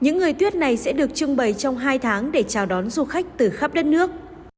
những người tuyết này sẽ được trưng bày trong hai tháng để chào đón du khách từ khắp đất nước